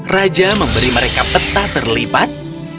raja memberi mereka peta terlipat